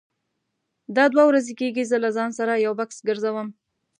دا دوه ورځې کېږي زه له ځان سره یو بکس ګرځوم.